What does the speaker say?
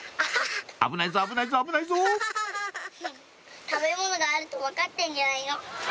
危ないぞ危ないぞ危ないぞたべものがあるとわかってんじゃないの。